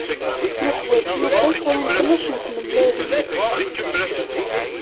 Yuḥwaǧ Yuba kra n tnac n tmellalin.